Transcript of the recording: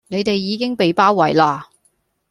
你地已經被包圍啦